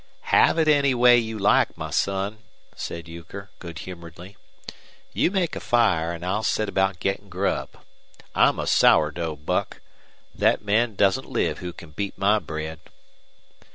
"Have it any way you like, my son," said Euchre, good humoredly. "You make a fire, an' I'll set about gettin' grub. I'm a sourdough, Buck. Thet man doesn't live who can beat my bread."